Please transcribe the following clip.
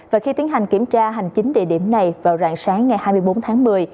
và khi tiến hành kiểm tra hành chính địa điểm này vào rạng sáng ngày hai mươi bốn tháng một mươi